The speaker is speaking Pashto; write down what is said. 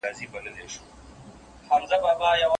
د جهاني زړګیه کله به ورځو ورپسي